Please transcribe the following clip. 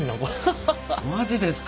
マジですか！